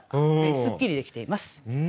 すっきりできています。